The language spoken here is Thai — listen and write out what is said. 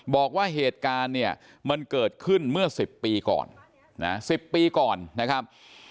บอกว่าเหตุการณ์เนี่ยมันเกิดขึ้นเมื่อ๑๐ปีก่อนนะ๑๐ปีก่อนนะครับ